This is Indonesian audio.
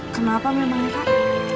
kenapa memang ya kak